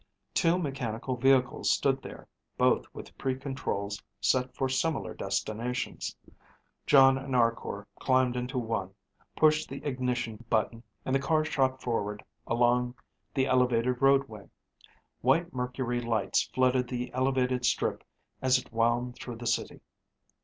Two mechanical vehicles stood there, both with pre controls set for similar destinations. Jon and Arkor climbed into one, pushed the ignition button, and the car shot forward along the elevated roadway. White mercury lights flooded the elevated strip as it wound through the city.